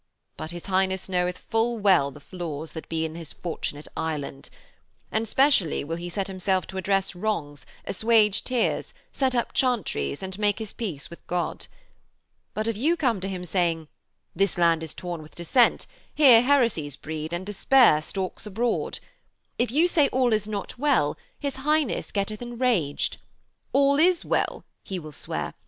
But his Highness knoweth full well the flaws that be in his Fortunate Island. And specially will he set himself to redress wrongs, assuage tears, set up chantries, and make his peace with God. But if you come to him saying: "This land is torn with dissent. Here heresies breed and despair stalks abroad"; if you say all is not well, his Highness getteth enraged. "All is well," he will swear.